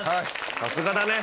さすがだね。